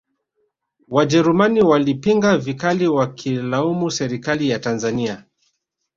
wajerumani walipinga vikali wakiilamu serikali ya tanzania